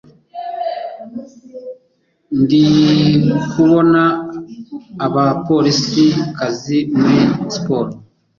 Ndikubona aba polisi kazi muri siporo